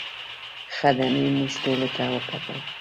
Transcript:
خدمې موږ ټولو ته وکتل.